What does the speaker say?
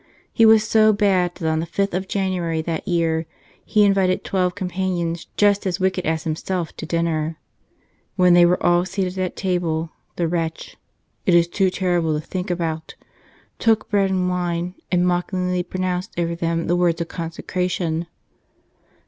He was so bad that on the fifth of January that year he invited twelve companions just as wicked as himself to dinner. When they were all seated at table the wretch — it is too terrible to think about! — took bread and wine and mockingly pro¬ nounced over them the words of consecration.